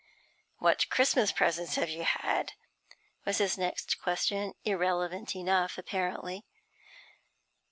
'What Christmas presents have you had?' was his next question, irrelevant enough apparently.